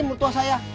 ini burung gua